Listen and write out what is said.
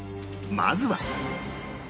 まずは